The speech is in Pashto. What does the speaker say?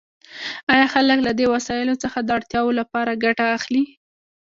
آیا خلک له دې وسایلو څخه د اړتیاوو لپاره ګټه اخلي؟